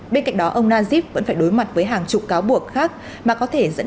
bên cạnh đó ông najib vẫn phải đối mặt với hàng chục cáo buộc